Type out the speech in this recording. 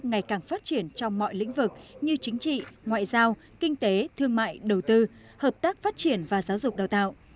ngày càng phát triển trong mọi lĩnh vực như chính trị ngoại giao kinh tế thương mại đầu tư hợp tác phát triển và giáo dục đào tạo